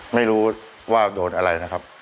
ไม่รู้ว่าโดนอะไรนะครับ